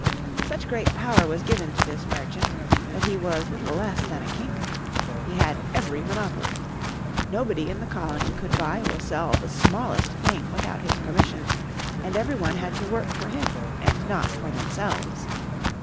Such great power was given to this merchant that he was little less than a king. He had every monopoly. Nobody in the colony could buy or sell the smallest thing without his permission, and every one had to work for him and not for themselves.